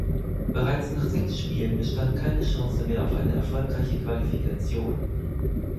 Bereits nach sechs Spielen bestand keine Chance mehr auf eine erfolgreiche Qualifikation.